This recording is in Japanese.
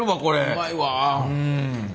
うまいわ。